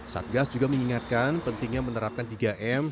satgas juga mengingatkan pentingnya menerapkan tiga m